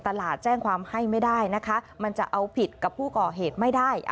แจ้งความให้ไม่ได้นะคะมันจะเอาผิดกับผู้ก่อเหตุไม่ได้